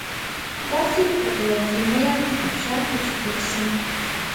داسې لکه په یوه خېمه یا هم ابشار کې چې پټ شم.